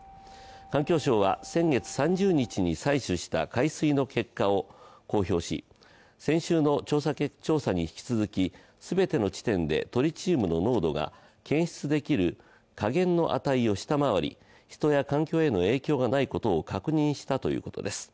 環境省は先月３０日に採取した海水の結果を公表し、先週の調査に引き続き、すべての地点でトリチウムの濃度が検出できる下限の値を下回り人や環境への影響がないことを確認したということです。